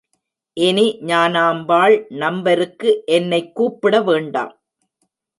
இனி ஞானாம்பாள் நம்பருக்கு என்னை கூப்பிட வேண்டாம்.